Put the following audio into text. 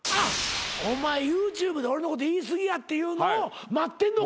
お前ＹｏｕＴｕｂｅで俺のこと言い過ぎやっていうのを待ってんのか。